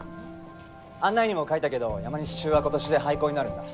案内にも書いたけど山西中は今年で廃校になるんだ。